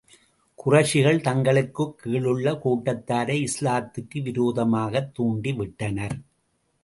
குறைஷிகள் தங்களுக்குக் கீழுள்ள கூட்டத்தாரை இஸ்லாத்துக்கு விரோதமாகத் தூண்டி விட்டனர்.